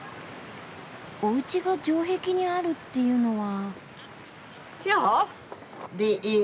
おうちが城壁にあるっていうのは。